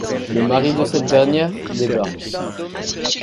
Le mari de cette dernière, débarque...